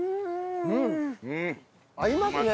合いますね